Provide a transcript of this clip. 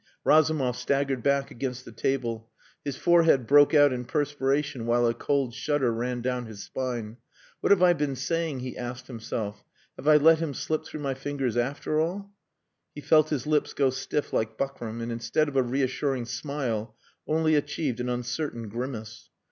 Razumov staggered back against the table. His forehead broke out in perspiration while a cold shudder ran down his spine. "What have I been saying?" he asked himself. "Have I let him slip through my fingers after all?" "He felt his lips go stiff like buckram, and instead of a reassuring smile only achieved an uncertain grimace.